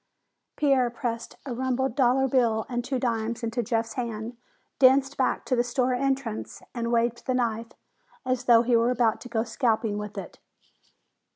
Pierre pressed a rumpled dollar bill and two dimes into Jeff's hand, danced back to the store entrance and waved the knife as though he were about to go scalping with it.